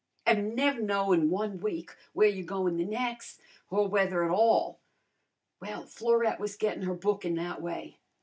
and nev' knowin' one week where you're goin' the nex', or whether at all. Well, Florette was gettin' her bookin' that way.